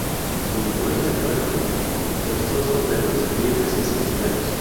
Su memoria de prueba versó sobre las "Fiebres Esenciales".